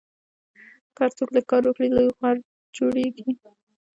که هر څوک لږ کار وکړي، لوی غږ جوړېږي.